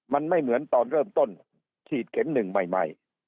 มันไม่เหมือนตอนเริ่มต้นฉีดเข็มหนึ่งใหม่